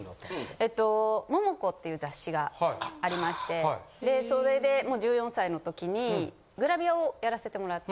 えっと『Ｍｏｍｏｃｏ』っていう雑誌がありましてそれでもう１４歳のときにグラビアをやらせてもらって。